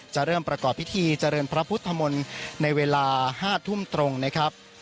จะเริ่มประกอบพิธีเจริญพระพุทธมนตร์ในเวลา๕ทุ่มตรงนะครับ